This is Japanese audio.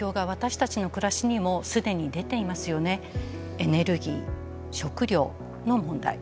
エネルギー食料の問題。